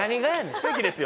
奇跡ですよ